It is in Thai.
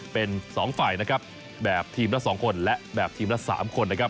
เป็น๒ฝ่ายนะครับแบบทีมละ๒คนและแบบทีมละ๓คนนะครับ